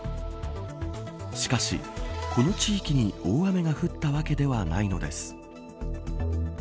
しかし、この地域に大雨が降ったわけではないのです。